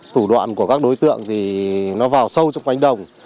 thủ đoạn của các đối tượng thì nó vào sâu trong cánh đồng